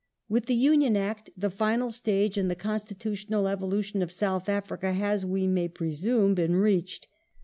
With the Union Act the final stage in the constitutional evolution of South Africa has, we may presume, been reached.